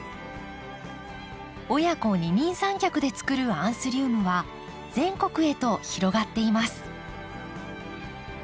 親子二人三脚でつくるアンスリウムは全国へと広がっています。